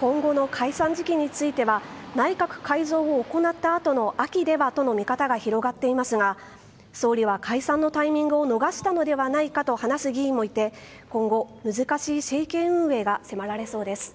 今後の解散時期については内閣改造を行った後の秋ではとの見方が広がっていますが総理は解散のタイミングを逃したのではないかと話す議員もいて今後、難しい政権運営が迫られそうです。